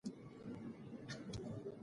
هلک په ډېره چټکتیا سره د انا په لور روان و.